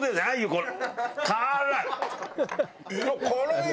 これ。